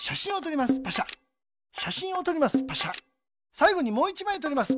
さいごにもう１まいとります。